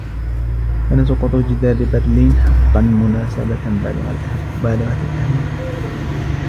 كان سقوط جدار برلين حقاً مناسبة بالغة الأهمية.